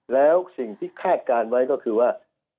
แล้วสิ่งที่คาดการณ์ไว้ก็คือว่า